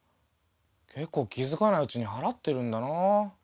けっこう気づかないうちに払ってるんだなあ。